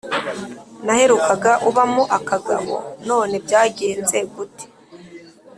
naherukaga ubamo akagabo, none byagenze gute